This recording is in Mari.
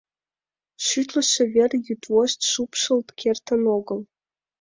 Шӱтлышӧ вер йӱдвошт шупшылт кертын огыл.